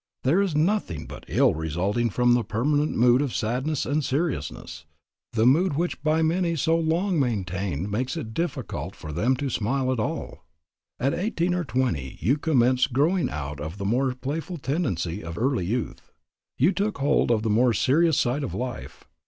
There is nothing but ill resulting from the permanent mood of sadness and seriousness, the mood which by many so long maintained makes it actually difficult for them to smile at all. "At eighteen or twenty you commenced growing out of the more playful tendency of early youth. You took hold of the more serious side of life.